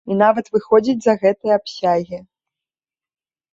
І нават выходзіць за гэтыя абсягі.